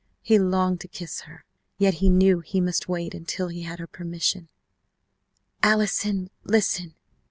He longed to kiss her, yet knew he must wait until he had her permission "Allison! Listen!